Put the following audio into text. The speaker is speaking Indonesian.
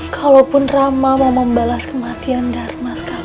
kalaupun rama mau membalas kematian dharma sekali